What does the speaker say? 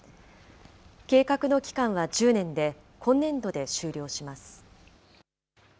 計画の期間は１０年で、今年度で終了します。